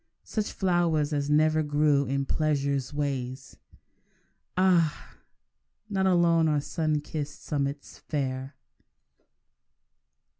Such flowers as never grew in pleasure's ways! Ah! not alone are sun kissed summits fair.